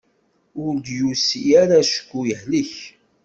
Ur d-yusi ara acku yehlek.